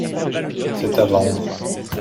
c'est à vendre.